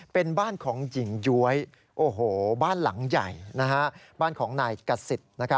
เป็นบ้านของหญิงย้วยบ้านหลังใหญ่บ้านของนายกษิต